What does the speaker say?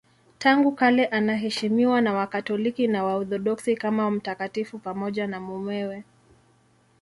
Tangu kale anaheshimiwa na Wakatoliki na Waorthodoksi kama mtakatifu pamoja na mumewe.